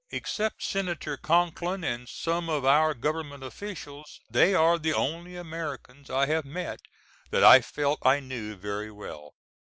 Except Senator Conkling and some of our Government officials they are the only Americans I have met that I felt I knew very well.